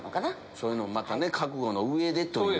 そういうのも覚悟の上でという。